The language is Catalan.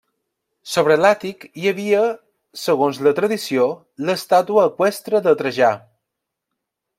Sobre l'àtic hi havia, segons la tradició, l'estàtua eqüestre de Trajà.